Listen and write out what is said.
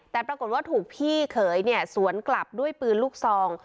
แต่ปรากฏว่าถูกพี่เขยเนี่ยสวนกลับด้วยปืนลูกซอง